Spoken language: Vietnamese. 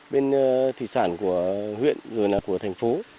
bên thủy sản của huyện rồi là của thành phố